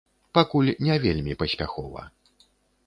Пакуль не вельмі паспяхова.